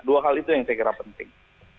dua hal itu yang saya kira penting